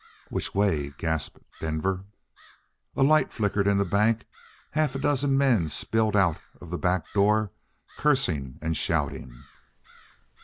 "Which way?" gasped Denver. A light flickered in the bank; half a dozen men spilled out of the back door, cursing and shouting.